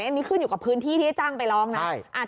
อันนี้ขึ้นอยู่กับพื้นที่ที่ได้จ้างไปร้องนะ